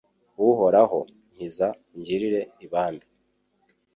Uhoraho nkiza ungirire ibambe